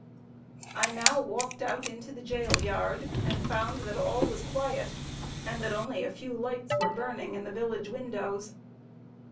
I now walked out into the jail yard, and found that all was quiet, and that only a few lights were burning in the village windows.